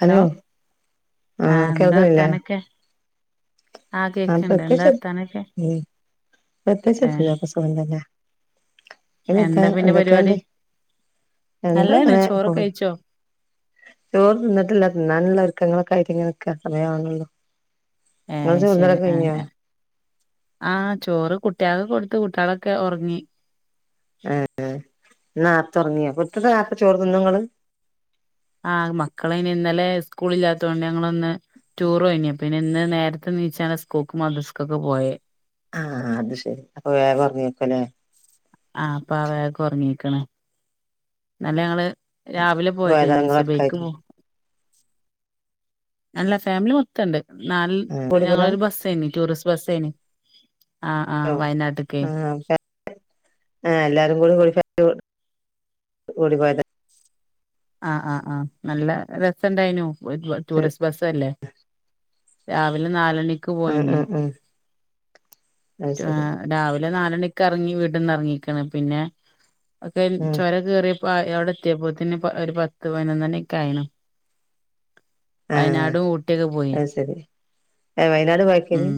Hello ആഹ് കേൾക്കില്ലേ ആ കേക്കണ്ട് എന്താ വർത്താനൊക്കെ പ്രത്യക്ഷ ഏഹ് എല്ലാർക്കും സുഖംതന്നെ ഇതക്കാ എന്താ പിന്നെ പരിപാടി എന്തൊക്കെയണ്ട് എന്താ നല്ലതന്നെ അങ്ങനെ പോ ചോറൊക്കെ കഴിച്ചോ ചോറ് തിന്നിട്ടില്ല തിന്നാനുള്ള ഒരുക്കങ്ങളൊക്കൊയിട്ട ഇങ്ങനക്ക സമയമാണല്ലോ ആഹ് അശരി ആഹ് ആഹ് ചോറ് കുട്ട്യാക്ക് കൊടുത്ത് കുട്ട്യാളൊക്കെ ഒറങ്ങി. ഏഹ് ന്ന് നാത്ത ഉറങ്ങിയ എട്ട്ണി ആയപ്പോ ചോറ് നിന്നുങ്ങള് ആഹ് മക്കളനി ഇന്നലെ സ്കൂൾ ഇല്ലാ ത്തോണ്ട് ഞങ്ങളൊന്ന് ടൂർയ്നി പിന്നെ ഇന്ന് നേര്ത്തെനീച്ചാണ് സ്കൂക്ക് മധസ്ക്കൊക്കെ പോയെ ആഹ് അത് ശരി അപ്പൊ വേഗം ഒറങ്ങിയേക്കുല്ലേ ആഹ് അപ്പൊ അവേ ഉറങ്ങിക്കാണ് ഇന്നലെ ഞങ്ങള് രാവിലെ പോയതേ പോയതാ ന്ന് ഇങ്ങള് സുബൈക്ക് ഒറ്റക്കായിട്ട് മു അല്ല ഫാമിലി മൊത്തണ്ട് നാല് ആഹ് കൂടിപ്പോയതാ ഞങ്ങളൊരു ബസ്സേനി ടൂറിസ് ബസ്സേനി ആഹ് ആഹ് [unintelligible] വയനാട്ട്ക്കേ ആ എല്ലാരും കൂടി [unintelligible] [unintelligible] കൂടി പോയതാ ആ ആ ആഹ് നല്ല രസണ്ടായിനു ടൂറിസ്റ്റ് ബസ് അല്ലേ രാവിലെ നാലണി ക്ക് ഉം പോയിന് ഉം ഉം അത് രാ ശരി രാവിലെ നാലണി ക്കെറങ്ങി വീട്ടന്നെറങ്ങിക്ക്ണ് പിന്നെ ഒക്കെര് ഉം ചൊരം കേറിയപ്പോ അവിടെ എത്തിയപ്പോത്തിന് ഒരു പത്ത് പയിനൊന്നണി ഒക്കെ ആയിണ് ആഹ് വയനാടും ഊട്ടിയൊക്കെ പോയി അത് ശരി ഏഹ് വയനാട് പോയേക്കേനി ഉം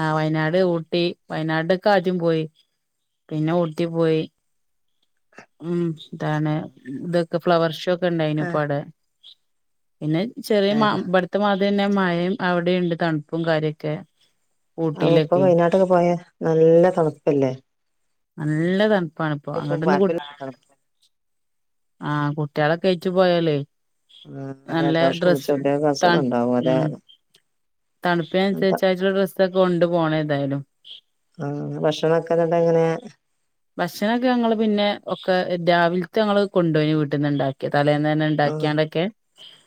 ആ വയനാട് ഊട്ടി വയനാട്ക്കാദ്യം പോയി പിന്നെ ഊട്ടി പോയി ഉം ഇതാണ് ഇതൊക്കെ ഫ്ലവർ ഷോ ഒക്കെ ഇണ്ടായ്നു ഇപ്പ ആഹ് അവ്ടെ പിന്നെ ചെറിയ മ ഏഹ് ഇബടത്തെ മാതിയന്നെ മഴയും അവടീണ്ട് തണുപ്പും കാര്യൊക്കെ ഓ ഇപ്പ ഊട്ടിയിലൊക്കെ വയനാട്ടൊക്കെ പോയ നല്ല തണുപ്പല്ലേ നല്ല തണുപ്പാണ് ഇപ്പൊ അങ്ങോട്ട ഒന്ന് കു ആ കുട്ട്യേളൊക്കേറ്റ് പോയാലേ ആ നല്ല ജലദോഷം പിടിച്ച ഡ്രസ് കുട്ടികൾക്ക് ഇട്ടാ അസുഖം ഉണ്ടാവും അതെ ഉം തണുപ്പിനുസരിച്ചായിട്ടുള്ള ഡ്രസ്സ് കൊണ്ട് പോണേതായാലും ആ ഭക്ഷണൊക്കെ എങ്ങനെ ഭക്ഷണൊക്കെ ഞങ്ങള് പിന്നെ ഒക്കെ രാവിലത്തെ ഞങ്ങള് കൊണ്ടോയി വീട്ടിന്ന് ഇണ്ടാക്കിയത് തലേന്നന്നെ ആ ഇണ്ടാക്കിയാണ്ടൊക്കെ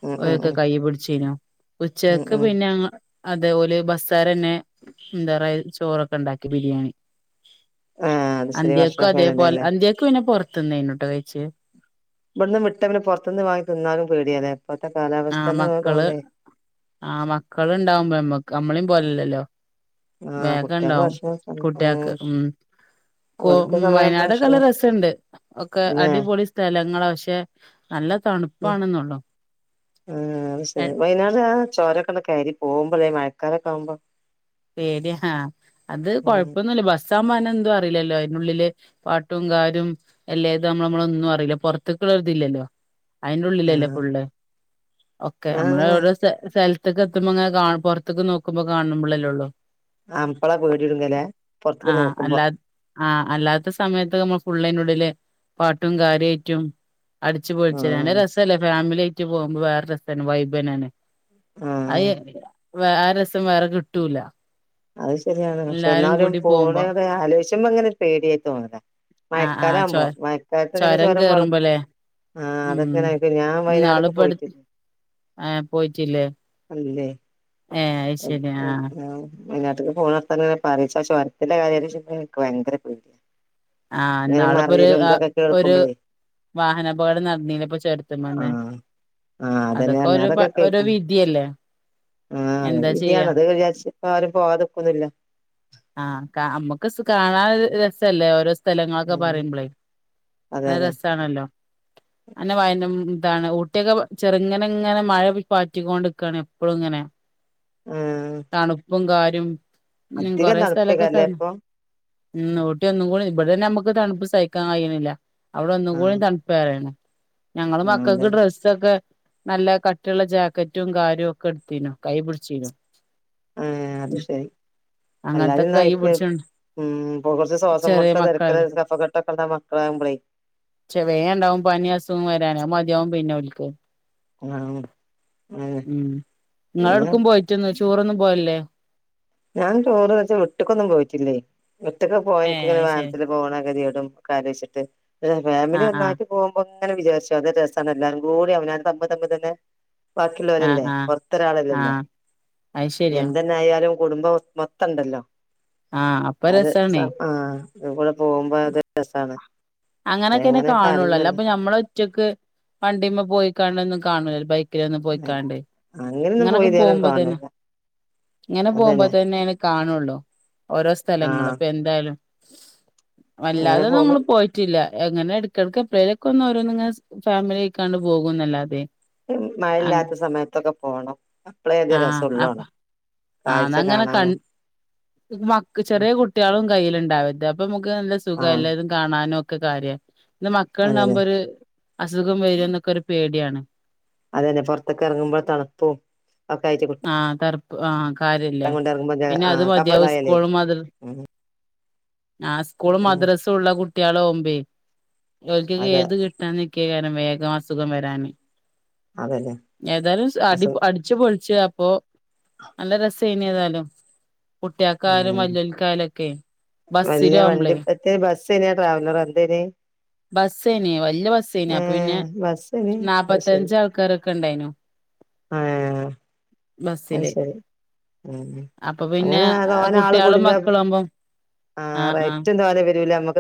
ഉം ഉം ഓലൊക്കെ ഉം കയ്യ് പിടിച്ചീനു ഉം ഉച്ചക്ക് ഉം പിന്നെ [unintelligible] അതേ ഓല് ബസ്സാരന്നെ എന്താറയ ചോറൊക്കെ ഇണ്ടാക്കി ബിരിയാണി ആ അത് ശരി അന്ത്യക്കു ഭക്ഷണൊക്കെ അതേപോലെ അതിലുണ്ടല്ലേ അന്ത്യക്കു പിന്നെ പൊറത്ത്ന്നേനുട്ടൊ കയ്ച്ചത് ഇവ്ട്ന്ന് വിട്ട പിന്നെ പൊറത്ത്ന്ന് വാങ്ങി തിന്നാനും പേടിയാലെ ആ മക്കള് ആ മക്കള് ഇണ്ടാവുമ്പോ ഞമ്മക്ക് നമ്മളിം പോലെല്ലല്ലോ ആ കുട്ടികൾക്ക് വേഗണ്ടാവും ഭക്ഷണം കുട്ട്യോക്ക് ഉം കൊ ഓൽക്ക് ഉം സമയം വയനാടൊക്കെല്ല ഭക്ഷണം രസണ്ട് ഒക്കെ അല്ലേ അടിപൊളി സ്ഥലങ്ങള പക്ഷെ നല്ല ഉം തണുപ്പാണെന്നള്ളു ആ അശരി വയനാട് ആ ചോരൊക്കൊന്ന് കയരി പോവുമ്പല്ലേ മഴക്കാലൊക്കെ ആവുമ്പോ പേടിയാ ഹാ അത് ഉം കൊഴപ്പൊന്നല്ലാ ബസ് സാമാനം എന്തും അറിയില്ലല്ലോ അതിനുള്ളില് പാട്ടും കാരും അല്ലെത് നമ്മൾ നമ്മളൊന്നും അറിയില്ല പുറത്ത്ക്ക് [unintelligible] ആ അയ്ന്റുള്ളിലല്ലെ ഫുള്ള് ഒക്കെ ഞാൻ അങ്ങനെ അമ്മള്വടെ സ്ഥ സ്ഥല് ത്തൊക്കെ എത്തുമ്പങ്ങനെ കാ പൊറത്തക്ക് നോക്കുമ്പോ കാണുമ്പള്ളല്ലേള്ളു ആ അപ്പളാ പേടിടുങ്ങലേ പൊറ്ത്ത് നോക്കുമ്പോ ആഹ അല്ലാത്ത സമയത്ത് മ്മ ഫുള്ളൈന്റുള്ളില് പാട്ടും കാര്യമായിട്ടും അടിച്ചുപയൊയ്ച്ച് ഉം നല്ല രസല്ലെ ഫാമിലി ആയി ട്ട് പോവുമ്പോ വേറെ രസ്സാണ് വൈബെന്നാണ് ആഹ് വ ആ രസം വേറെ കിട്ടൂല അത് ശരിയാണ് പക്ഷെ എല്ലാരും എന്നാലും കൂടി പോകുമ്പോ പോണേക്ക ആലോയ്ച്ചുമ്പോങ്ങനെ പേടിയായി തോന്നല ആഹ് ആഹ് ചൊ മയക്കാലാവുമ്പോ മഴക്കാലത്ത് ഇങ്ങനെ ചൊരം ചോരം വള കേറുമ്പോല്ലേ ആഹ ഉം അതൊക്കെയാണ് ഞാൻ വയനാടൊക്കെ പോയിട്ടി ആഹ പോയിട്ടില്ലേ ഏഹ് അത് അ ശരി ആഹ് അ വയനാട്ടക്ക് പോണത്തരെ പറയിച്ച ച്ചൊരത്തിന്റെ കാര്യ എനിക്ക് ഭയങ്കര പേടി ആ ന്നാളിപ്പൊരു ആ ഒരു കേൾക്കുമ്പളേ വാഹനാപകടം നടന്നീലേപ്പോ ചൊരത്ത്മ്മ്ന്ന് ആഹ് ആഹ് അതന്നെ അതൊക്കെ ഒരുപ്പ ഒരു വിധിയല്ലേ ആഹ ഇത്യാണത് ജ്ജ് ആഹ കാ നമ്മുക്ക് കാണാൻ രസല്ലേ ഓരോ സ്ഥലങ്ങളൊക്കെ ഉം പറയുമ്പളേ അ അതന്നെ രസമാണല്ലോ അന്നെ വയന അതാണ് ഊട്ടിയൊക്കെ ചെറുങ്ങനെ ഇങ്ങനെ മഴ പാറ്റിക്കൊണ്ടിക്കുകയാണ് എപ്പോഴും ഇങ്ങനെ ആഹ് തണുപ്പും കാര്യം ഉ അധികം കൊറെ സ്ഥലൊക്കെ സർ തണുപ്പേക്കാരല്ലേ ഇപ്പൊ ഉം ഊട്ടി ഒന്നും കൂടിും ഇവിടെ തന്നെ നമുക്ക് തണുപ്പ് സഹിക്കാൻ കഴിയണില്ല അവിടെ ഒന്നും കൂടിം ആഹ് തണുപ്പേറേണ് ഞങ്ങള് ആഹ് അതന്നെ മക്കൾക്ക് ഡ്രസ്സൊക്കെ നല്ല കട്ടിള്ള ജാക്കറ്റും കാര്യവും ഒക്കെ എടുത്തനു കൈപ പിടിച്ചീനു ആഹ് അത് ശരി അങ്ങനത്തൊക്കെ കൈ അല്ലാതുംക്ക് പിടിച്ചോണ്ട് ഉ ഇപ്പൊ കുറച്ച് ശ്വാസം മുട്ട തിരക്ക കഫ ചെവ ഉണ്ടാവും പനി അസുഖം വരാന് മതിയാവും പിന്നെ ഓൽക്ക് ആഹ് അങ്ങനെ ഉ നിങ്ങള പിന്നെ എടുക്കും പോയിട്ടന്നു ടൂറൊന്നും പോവല്ലേ ഞാൻ ചടോറ് വെച്ചാൽ വിട്ടിക്കൊന്നും പോയിട്ടില്ലേ വിട്ട്ക്കൊക്കെ പോയ എക്ക ഏഹ് ഇങ്ങനെ അത് ശരി വാഹനത്തിൽ പോണ കത്യേടും ക്കെ ആലോചിച്ചിട്ട് ഫാമിലി ആഹ് ആഹ് ഒന്നായിട്ട് പോകുമ്പോ അങ്ങനെ വിചരിച്ചു അ രസമാണ് എല്ലാരും കൂടി അവന തമ്മ തമ്പ തന്നെ ബാക്കിയുള്ള ആഹ് പോലല്ലേ ആഹ് പൊറത്തൊരാളല്ലല്ലോ ആഹ് അത് ശരിയാ എന്തെന്നെ ആയാലും കുടുംബ മൊത്തംണ്ടല്ലോ ആഹ് അപ്പൊ അത് രസാണേ ആഹ പോകുമ്പോ അത് രസമാണ് അങ്ങനെയൊക്കെന്നെ കാണുള്ളല്ലോ അപ്പൊ മ്മെ ഒച്ചക്ക് വണ്ടിയമ്മ പോയിക്കാണ്ടൊന്നും കാണൈ ഒ ഒന്ന് പോയിക്കാണ്ട് അങ്ങനെയൊന്നും പോയി ഇങ്ങനൊക്കെ ഇതുവരെ പോകുമ്പോ തന്നെ കാണൂല്ല ഇങ്ങനെ പോകുമ്പോ അതന്നെ തന്നെ അന് കാണുള്ളൂ ഓരോ സ്ഥലങ്ങളും ആഹ് ഇപ്പൊ എന്തായാലും അങ്ങനെ വല്ലാതെ നങ്ങൾ പോകുമ്പോ പോയിട്ടില്ല എങ്ങനെ എടുക്കടുക്ക എപ്പഴേലൊക്കെന്നും ഓരോന്ന നിങ്ങൾ ഫാമിലി ആയിക്കാണ്ട് പോകും എന്നല്ലാതെ മഴയില്ലാത്ത സമയത്തൊക്കെ പോണം അപ്പളേ അത് രസൊള്ളാണും ആന്നങ്ങനെ ക മ ചെറിയ കുട്ടികളും കയ്ല്ണ്ടാവത് അപ്പൊ സ നല്ല സുഖ ആഹ് എല്ലായതും കാണാനോ ഒക്കെ കാര്യ ഇ അതന്നെ മക്കൾണ്ടാവകുമ്പോ ഒരു അസുഖം വരും എന്നൊക്കെ ഒരു പേടിയാണ് അത തന്നെ പൊറത്തൊക്കെ ഇറങ്ങുമ്പോൾ തണുപ്പും ഒക്കെ ആയിട്ടട് ആഹ് തറപ്പ് ആഹ് കാര്യല്ലേ പിന്നെ അത് ആഹ് മതിയാവും കഫളായാലേ സ്കൂളും മാതരി ഉം ആ സ്കൂള് ഉം മദ്രസും ഉള്ള കുട്ടികൾഓകുമ്പേക്ക് അതെ ഏത് കിട്ടാൻ നിക്കിയ ക വേഗം അ അതന്നെ അസു അപ്പൊ നല്ല രസേനി ഏതാലും കുട്ടിക്കാരും ഉം വല്ല്യോൽക്കായാലൊക്കെ ബസിലാവുമ്പളെ സന ട്രാവവലർ എന്തേനി ബസ്സേനെയ വല്യ ബസ്സേനിയാ പിന്നെ ഏഹ് ബസ്സേന് അത് ശരി നാല്പ്പത്തഞ്ച ആൾക്കാരൊക്കെ ഇണ്ടായിനു ആഹ് അത് ബസ്സില് ശരി ഉം അപ്പൊ പിന്നെ അങ്ങനെ കുട്ടികളും മക്കളും ആവുമ്പം ആറ ഏറ്റവും തധവാന വരൂല നമ്മക്ക്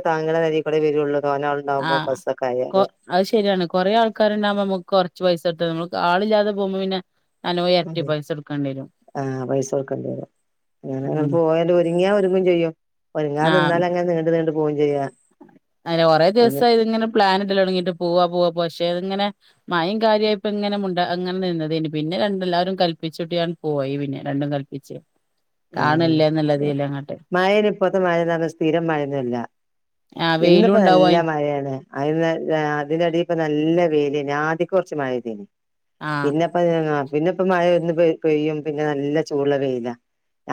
ആഹ ബസ്സൊക്കെ കൊ ആയാല് അത് ശരിയാണ് കൊറേ ആൾക്കാരുണ്ടാവകുമ്പോ നമുക്ക് കൊറ പൈസടുത്ത നമ്മുക്ക് ആളില്ലാതെ പോകുമ്പോ പിന്നെ അനോ ഇരട്ടി പൈസ എടുക്കേണ്ട ആഹ പൈസൊട്ക്കണ്ടി വരും അങ്ങനങ്ങ ഉം പോ ഒരുങ്ങാ ഒരുങ്ങും ചെയ്യും ഒരുങ്ങാ നിന്നാലും അങ്ങനെ നീണ്ടു നീു പോകയും ചെയ്യാ അതെ കുറെേ പിന്നെ ദിവസം ഇതിങ്ങനെ പ്ലാൻ ഇല്ലോ തുടങ്ങിട്ട് പോവാ പോവാ പോ ങ്ങനെ മായം കാര്യമായി ഇപ്പ ഇങ്ങനെ അങ്ങനെ നിന്നത പിന്നെ രണ്ടെല്ലാരും കല്പ്പിച്ചിട്ട്യൂടിണ് പോ പോയി പിന്നെ രണ്ടും കൽപ്പിച്ച് ഉം കാണല്ലേ ശരി എന്നുള്ളതില് അങ്ങട്ട് മഴയ്ന് ഇപ്പത്തെ മഴ നല്ല സ്ഥിരം മഴൊന്നല്ല ആഹ് വെയിലും ഇന്ന്പ്പോ ഉണ്ടാവും നല്ല അയിന് മഴയാണ് അയ് അതിന്റെടി ഇപ്പൊ നല്ല വെയ്ലേനി ആദികൊർച് മഴ പെയ്തീനി. ആഹ് പിന്നെപ്പ! പിന്നെയിപ്പ മഴയൊന്നു പെയ പെയ്യും. പിന്നെ നല്ല ചൂടുള്ള വെയിലാ!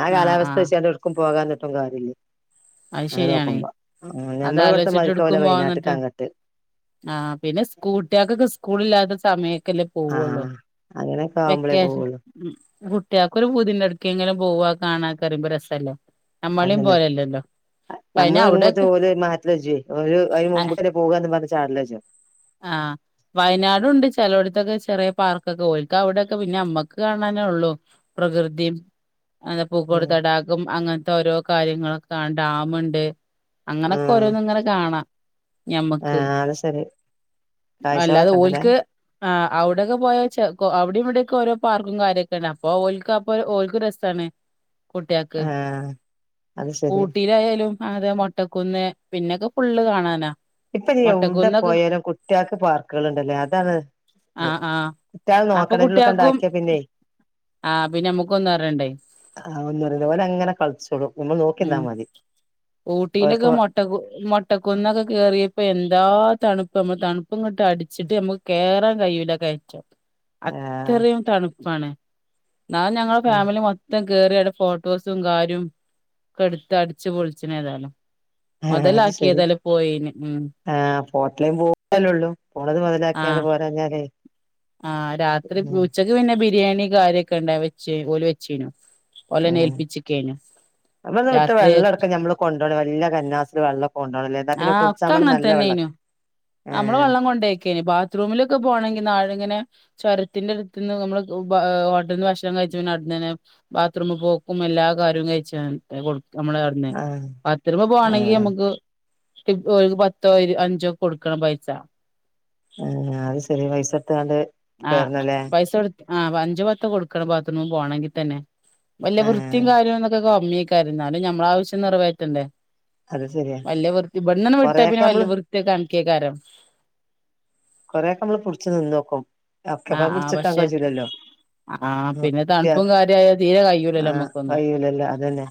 ആഹ്! കാലാവസ്ഥ വെച്ചു എടുക്കും പോകാതിരുന്നിട്ടും കാര്യില്ല. അത് ശരിയാണേ! ഞമ്മളെ ഇവിടുത്തെ അതലോചിച്ചിട്ട് എടുക്കും മാതിരിക്കാവൂല പോവാതിന്നിട്ട്! വയനാട്ട്ക്ക് അങ്ങട്ട് ആഹ്! പിന്നെ സ്കൂട്ടിയോൾക്കൊക്കെ സ്കൂളി ല്ലാതെ! ല്ല പോവുള്ളൂ. ആഹ് അങ്ങനെയൊക്കെ ആവുമ്പോളേ വെക്കേ! പോവുള്ളൂ കുട്ടിയോക്കൊരു ഒരു പൂതിണ്ട് ഇടക്കെങ്കിലും പോവാ കാണാത്തറിയുമ്പോ രസല്ലെ. നമ്മളെയും അതന്നെ പോലെല്ലല്ലോ. നമ്മള് ഇറങ്ങുമ്പോത്ത് ഓല് മാറ്റലജേ ഓല് അയ്ന് മുമ്പ്ക്കന്നെ പോകാന്നും പർഞ്ഞ് ചാടലജും. ആ വയനാടുണ്ട് ചെലോട്ത്തൊക്കെ ചെ കുറെ പാർക്കൊക്കെ പോയി ഇക്ക അവിടെൊക്കെ പിന്നെ അമ്മക്ക് കാണാനേ ഉള്ളു പ്രകൃതിയും! പൂക്കോട് ഉം തടാകം. അങ്ങനത്തെ ഓരോ കാര്യങ്ങളൊക്കെ ഡാമുണ്ട്. അങ്ങനൊക്കെ ആഹ് ഓരോന്നും ഇങ്ങനെ കാണാം! ഞമ്മക്ക്. ആഹ് അത് ശരി അല്ലാതെ കാഴ്ചകളൊക്കെ ഉണ്ടല്ലേ ഓൽക്ക്! ആ അവ്ടൊക്കെ പോയാ ചെ കോ അവിടിം ഇവിടിയൊക്കെ ഓരോ പാർക്കും കാര്യൊക്കെണ്ട് അപ്പൊ ഓൽക്ക് അപ്പൊ ഓൽക്ക് രസാണ്. കുട്ട്യാക്ക് ആഹ് അത് ശരി ലും അതെ മൊട്ടക്കുന്നേ പിന്നെക്കെ ഫുള്ള് കാണാനാ. ഇപ്പൊ ഇനി എവിടെ മൊട്ടക്കുന്നൊക്കെ പോയാലും കുട്ടിയാക്ക് പാർക്കുകളുണ്ട്ലേ അതാണ് ത്. ആഹ് ആഹ് ഇറ്റാള്ളേ അപ്പൊ നോക്കണ അയ്ന്റെ കുട്ട്യാക്കും ഉള്ള്ക്കാണ്ടാക്കിയാ പിന്നെ ആഹ് പിന്നെ നമ്മുക്കൊന്നും അറിയണ്ടേ അ ആ ഒന്നും അറീല ഓലങ്ങനെ കച്ചോളും നമ്മൾ നോക്കി നിന്നാ ഉം മതി. ഊട്ടിയിലൊക്കെ ഓൽക്ക് മുട്ടക്ക് മുട്ടക്കുന്നൊക്കെ കേറി! ഇപ്പൊ എന്താ തണുപ്പ്‌ [unintelligible] തണുപ്പ്‌ങ്ങട്ട് അട്ച്ചിട്ട് നമ്മക്ക് കേറാൻ കഴിയൂല കയറ്റം. ആഹ് അത്രയും തണുപ്പാണ് ന്നാലും ഞങ്ങളെ ഫാമിലി മൊത്തം കയറിയടെ ഫോട്ടോസും കാര്യവും ഒക്കെ എടുത്ത് അടിച്ച് പൊളിച്ച നെ ഏതാലും. ആഹ് അത് ശരി മൊതലാക്കിയതല്ലേ പോയേന് ആഹ്! ഹോട്ടലും പോവാലല്ലെള്ളൂ പോണത് മുതലാക്കിയാണ് ആഹ് പോരാഞ്ഞാലേ! ആഹ്! രാത്രിക്ക് ഉം ഉച്ചക്ക് പിന്നെ ബിരിയാണി കാര്യൊക്കെ ഉണ്ടാരുന്നു. വെച്ച് ഓല് വെച്ചിരുന്നു. ഉം! അമ്മടെ വിട്ട് രാത്രി വെള്ളം എടക്ക നഞമ്മള് കൊണ്ടപോണം. വല്ല്യ കന്നാസ് വെള്ളം. കൊണ്ടോണല്ലേ ന്നാ പിന്നെ ആഹ് കുട്ച്ചാം ഒക്കെ വെള്ളം അങ്ങനെ നല്ല വെള്ള. തന്നെനു നമ്മള് വെള്ളം കൊണ്ടേക്കേനി ബാത്റൂമിലൊക്കെ പോകണെങ്കിൽ [unintelligible] യിങ്ങനെ ചൊർത്തിന്റെ അട്ത്ത്ന്ന് നമ്മള് ബേ ഹോട്ടൽന്ന് ഭക്ഷണം കഴിച്ചു പിന്നെ അട്ന്നന്നെ ബാത്റൂമിൽ പോക്കും ഏ എല്ലാ കാര്യവും കഴിച്ചാ [unintelligible] കൊട് നമ്മളെട്ന്ന് ആഹ് പത്ത് രൂപ പോണെങ്കി ആഹ് നമ്മക്ക് [unintelligible] ഓൽക്ക് പത്തോ ഇ അഞ്ചോ കൊടുക്കണം പൈസ. ആഹ് അത് ശെരി പൈസ ഇട്ത്ത്കാണ്ട് ആഹ് കേറണല്ലേ പൈസ കൊടുത്ത് ആഹ്! അഞ്ച് പത്തോ കൊടുക്കണം ബാത്റൂമി പോണെങ്കിൽ തന്നെ വലിയ വൃത്തിയും ആഹ് കാര്യവും എന്നൊക്കെ! അമ്മിയക്കായിരുന്നാലും ഞമ്മളെ ആവശ്യം നിറവേറ്റണ്ടേ? അത് ശരിയാ വലിയ വൃത്തി! വെണ്ണണെ വിട്ട കൊറെയൊക്കെ പിന്നെ വല്യ നമ്മള് വൃത്തിയൊക്കെ കണക്കിയക്കാരം. കൊറേക്കെ നമ്മള് പുട്ച്ച് നിന്നോക്കും ഒക്കെപ്പെ ആഹ് ആഹ് പിട്ച്ച്ക്കാൻ പക്ഷെ കച്ചൂലല്ലോ ആഹ് പിന്നെ തണുപ്പും [unintelligible] കാര്യായ തീരെ കയ്യൂലല്ലോ ആഹ് നമ്മക്കൊന്നും കയ്യൂലല്ലോ അതന്നെ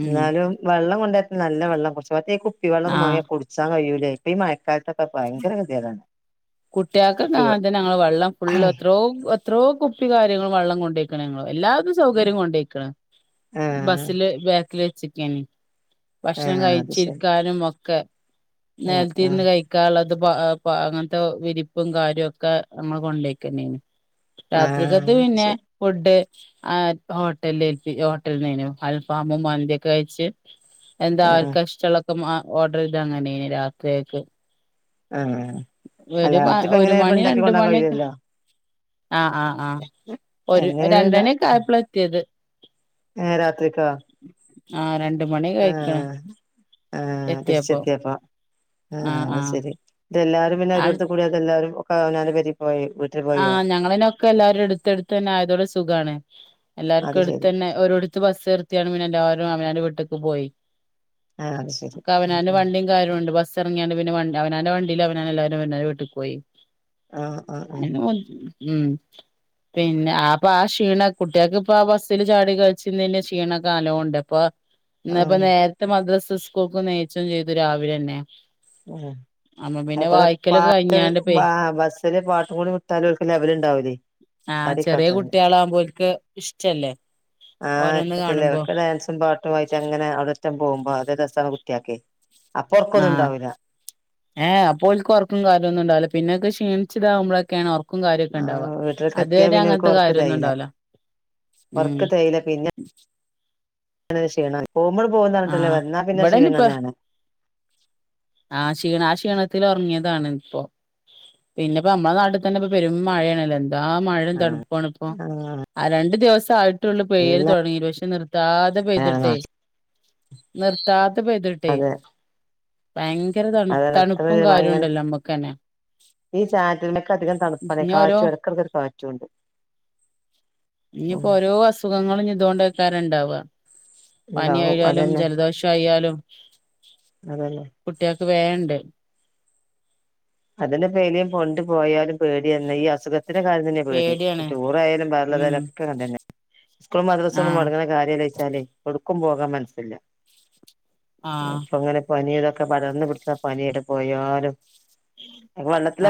ഉം ന്നാലും വെള്ളം കൊ നല്ല വെള്ളം കുടിച്ച്മറ്റേ ഇ കുപ്പി വെള്ളം ഒന്നും ആഹ് വാങ്ങിയ കുടിച്ചാ കഴ യൂല്ല. ഇപ്പ ഈ മഴ! കഴുത്തൊക്കെ ഭയങ്കര കെതിയേടാണ്. കുട്ടിയാക്കങ്ങ [unintelligible] തന്നെ ഞങ്ങള് വള്ളം ഫുള്ള് എത്രോ എത്രയോ കുപ്പി കാര്യങ്ങളും വെള്ളം കൊണ്ടോയ്ക്കണ് ഞങ്ങള്. എല്ലാ വിധ സൗകര്യം കൊണ്ടേയ്ക്ക്ണ് ആഹ് ബസ്സില് ബാക്കില് വെച്ചെക്കേനി. ഭക്ഷണം ആഹ് അത് ശരി കഴിച്ചിരിക്കാനും ഒക്കെ ഉം ഉം നിലത്തിരിന്ന് കഴിക്കാനുള്ള! ഇത് പ്പോ അ പ്പ അങ്ങൻത്തെ വിരിപ്പും കാര്യക്കെ നമ്മൾ കൊണ്ടയ്ക്കന്നേനി രാത്രിക്കത്ത് ആഹ് അത് ശരി പിന്നെ ഫുഡ് ആ ഹോട്ടല് ഹോട്ടലിന്നു അൽഫാമും മന്തിയൊക്കെ കഴിച്ച്! എന്താ ആഹ് അവർക്ക് ഇഷ്ടള്ളൊക്കെ ഓർഡർ ചെയ്ത് അങ്ങനെ രാത്രിയേക്ക്! ആഹ് ആഹ് അല്ല ഒരു പ രാത്രിപ്പ ഒരു എങ്ങനെ ഇപ്പ മണി ഇണ്ടാക്കി രണ്ട് കൊണ്ടോവാൻ മണിയൊക്കെ കഴിയൂലല്ലോ ആ ആ ആ ഒരു രണ്ട് എങ്ങനെയല്ല മണിയൊക്കെ ആയപ്പള എത്തിയത്. ഏഹ് ആ രണ്ട് മണി ആ കഴിക്കണ് ആ എത്തിയപ്പോ തിരിച്ചെത്തിയപ്പം. ആ ശരി എല്ലാരും പിന്നെ ഒരിടത്ത് കുടെ എല്ലാരും ഒക്ക ഒരി ആഹ് ഞങ്ങളിനൊക്കെ എല്ലാരും എടുത്ത്ടുത്ത് തന്നെ ആയതോടെ സുഖമാണ്. അത് എല്ലാർക്കും അടുത്ത് ശരി തന്നെ ഒരു എടുത്ത് ബസ്ർത്തിയാണ്. പിന്നെ എല്ലാ വനവൻ്റെ വീട്ടിക്ക്പോയി. ആഹ് അത് ശരി ക്ക ആഹ് വനനവൻ്റെ വണ്ടിയു കര്യയുണ്ട്. ബസ് ഇറങ്ങിയാണ്ട് പിന്നെ വണ്ടി അവനാന്റെ വണ്ടിയിൽ അവനൻ്റെ എല്ലാവരും വിട്ടുക്കു പോയി. ആഹ മം പിന്നെ ആപ്പൊ ആ ക്ഷീണ കുട്ടികൾക്ക് ഇപ്പൊ ആ ബസ്സിൽ ചാടി കഴിച്ചതിൻ്റെ ക്ഷീണക്കെ അലവുണ്ട് ഇപ്പൊ ഇന്നപ്പ നേരത്തെ മദ്രാസ്സ് സ് സ് കോക്ക നെയച്ചം ചെയ്തു രാവിലെ തന്നെ അ അത് കുടെ പാട്ട് കഴിഞ്ഞാണ്ട്പ്പേ ബാ ബസില് പാട്ട് കൂടി തലകൾക്ക് ലെവല് ഉണ്ടാവില്ലേ. ആഹ ചെറിയ കുട്ടികളാകുമ്പോക്ക് ഇഷ്ടല്ലേ? ആ ഓരോന്ന് കാണുമ്പോ റ്റുള്ളവർക്ക് ഡാൻസും പാട്ടും ആയിട്ട് അങ്ങനെ അവി ഷം പോകുമ്പോ അത് രസാണ് കുട്ടികൾക്ക് അപ്പൊർക്കൊന്നും ഉണ്ടാവൂല്ല. ഏഹ അപ്പോ ഓൽക്ക് ഉർക്കും കാര്യമൊന്നും ഉണ്ടാവില്ല പിന്നൊക്കെ ക്ഷിണിച്ചതാകുമ്പോഴൊക്കെയാണ് ർക്കം കാര്യൊക്കെ ഇണ്ടവാ ആഹ് വീട്ടിലൊക്കെ അത് തന്നെ അങ്ങനത്തെ കാര്യമൊന്നും ഉണ്ടാവില്ല. വർക്ക് തേയില. പിന്നെ ങ്ങ ക്ഷീണാ പോകുമ്പോഴും പോക പറഞ്ഞിട്ടല്ലേ ആഹ് വന്നാ പിന്നെ ക്ഷീണം. തന്നെയാണ്. ആ ക്ഷീണം. ആ ക്ഷീണത്തിൽ ഉറങ്ങിയതാണ് ഇപ്പൊ. പിന്നെ ഇപ്പ നമ്മ നാട്ടിൽ തന്നെ ഇപ്പൊ പെരും മഴയാണല്ലോ. എ എന്താ മഴയും ആഹ് തണുപ്പാണ് ഇപ്പോ. ആഹ് ആ രണ്ടു ദിവസേ ആയിട്ടുള്ളൂ. പെഴല് നല്ല തുടങ്ങിയിട്ട് പക്ഷേ നിർ നിർത്താതെ പെയ്തിട്ടെ, നിർത്താതെ പെയ്തിട്ടെ. അതെ ഭയങ്കര തണു അതാണ് എത്ര തണുപ്പും കാര്യ ഭയങ്കര ഉണ്ടല്ലോ? നമ്മുക്ക്ന്നെ. ഈ ചാറ്റിലൊന്ക്കെ? അധികം തണുപ്പന്നെ ഇനി ഓരോ കാറ്റ് ഇടക്കക്കൊ കാറ്റുംണ്ട്. ഇനിയിപ്പോ ഓരോ അസുഖങ്ങളാ! ഇതുകൊണ്ട് വക്കാറുണ്ടാവുക ഉണ്ടാവും പനിയയാലും ജലദോഷ ആയാലും. അതെന്നെ കുട്ടികൾക്ക് വേണ്ട് അതിന്നെ പ്പെ എയ്ലെ കൊണ്ടു പോയാലും പേടിയന്നെ ഈ അസുഖം. ഇതേകാര്യം തന്നെ പേടി. പേടിയാണ് ടൂറയാലും, ഉം ബേറെള്ളതൊക്കെ തന്നെ സ്കൂള് മദ്രസ ഒന്നും ആഹ് മൊടങ്ങന കാര്യാലോജിച്ചലെ പെടും. ക്കും പോകാൻ മനസില്ല. ആഹ് പ്പൊ ങ്ങനെ പനി ടെ പാർന്ന് പിടിച്ച പനിയട് പോയാലും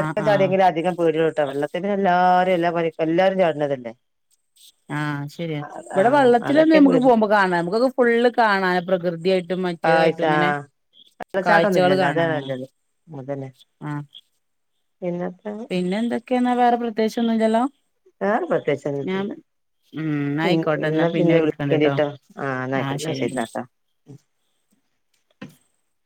ആഹ് ആഹ് ചടിയെങ്കിലും അധികം പേടി കേട്ട വെള്ളത്തിന് എല്ലാരും എല്ല പനി എല്ലാരും ചാടണതല്ലെ. ആ ശരിയാ ഇവിടെ വെള്ളത്തിന്ന് അതൊക്കെ നമ്മുക്ക് പേടി പോകുമ്പോ കാണാൻ നമുക്കൊക്കെ ഫുള്ള് കാണാ പ്രകൃതിയായിട്ടും മറ്റേതായിട്ടു കാഴ്ച ആ ഇങ്ങനെ വെള്ളച്ചാട്ടൊന്നും കാഴ്ചകൾ ഇല്ലല്ലോ അതാണ് കാണാനാണ് നല്ലത് അതന്നെ ആ പിന്നെപ്പ പിന്നെ എന്തൊക്കെയന്ന വേറെ പ്രത്യേകിച്ചൊന്നുല്ലല്ലോ? വേറെ പ്രത്യേകിച്ചൊന്നു എത്തുല്ല. ഉം ന്നാ പി ആയിക്കോട്ടെ എന്നാ പിന്നെ വിളിക്കലേ വിളിക്കണ്ട്ട്ടോ ആഹ് ശരി ഉം [unintelligible]